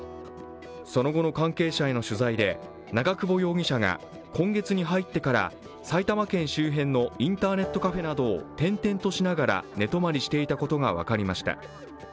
その後の関係者への取材で長久保容疑者が今月に入ってから埼玉県周辺のインターネットカフェなどを転々としながら寝泊まりしていたことが分かりました。